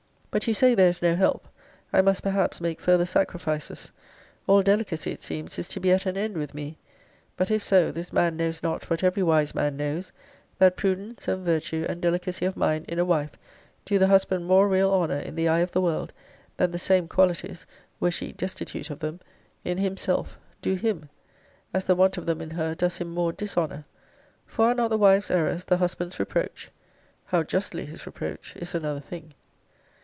But you say there is no help. I must perhaps make further sacrifices. All delicacy it seems is to be at an end with me! but, if so, this man knows not what every wise man knows, that prudence, and virtue, and delicacy of mind in a wife, do the husband more real honour in the eye of the world, than the same qualities (were she destitute of them) in himself, do him: as the want of them in her does him more dishonour: For are not the wife's errors the husband's reproach? how justly his reproach, is another thing.